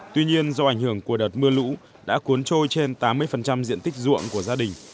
tuy nhiên do ảnh hưởng của đợt mưa lũ đã cuốn trôi trên tám mươi diện tích ruộng của gia đình